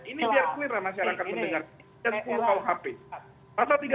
ini biar clear lah masyarakat mendengar